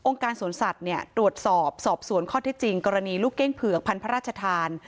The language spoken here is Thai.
การสวนสัตว์เนี่ยตรวจสอบสอบสวนข้อที่จริงกรณีลูกเก้งเผือกพันพระราชทาน